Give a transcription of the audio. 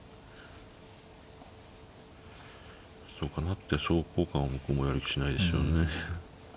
そうか成って総交換を向こうもやる気しないでしょうね。